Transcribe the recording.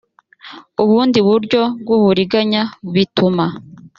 ubundi buryo bw uburiganya bituma